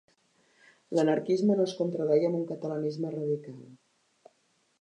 L'anarquisme no es contradeia amb un catalanisme radical.